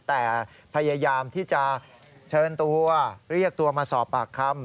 แต่พยายามที่จะเชิญตัวเรียกตัวมาสอบปากคำ